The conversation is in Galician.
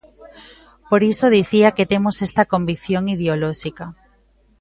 Por iso dicía que temos esta convicción ideolóxica.